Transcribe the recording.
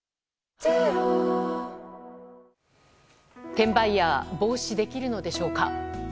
転売ヤー防止できるのでしょうか。